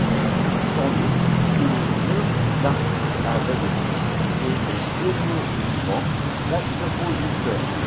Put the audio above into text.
Sans doute que le vieux marquis avait le titre et les émoluments d'introducteur.